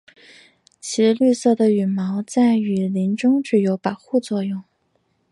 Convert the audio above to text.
其绿色的羽毛在雨林中具有保护作用。